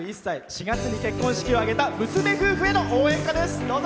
４月に結婚式を挙げた娘夫婦への応援歌です。